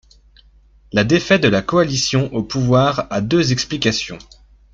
La défaite de la coalition au pouvoir a deux explications.